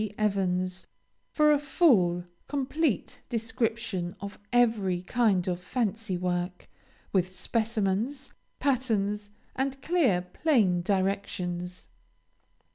Evans, for a full, complete description of every kind of fancy work, with specimens, patterns, and clear, plain directions.